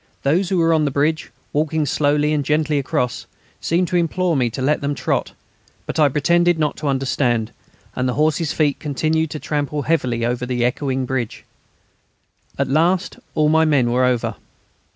Those who were on the bridge, walking slowly and gently across, seemed to implore me to let them trot; but I pretended not to understand, and the horses' feet continued to trample heavily over the echoing bridge. At last all my men were over.